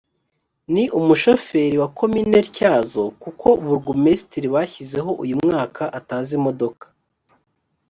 ni umushoferi wa komini ntyazo kuko burgumestiri bashyizeho uyu mwaka atazi imodoka